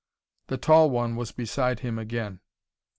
The tall one was beside him again.